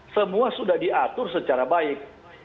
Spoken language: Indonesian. semua sudah diatur secara baik